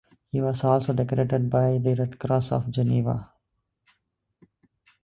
He was also decorated by the Red Cross of Geneva.